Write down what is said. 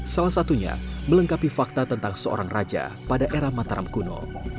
salah satunya melengkapi fakta tentang seorang raja pada era mataram kuno